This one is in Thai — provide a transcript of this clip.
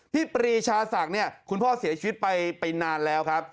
ปรีชาศักดิ์เนี่ยคุณพ่อเสียชีวิตไปนานแล้วครับ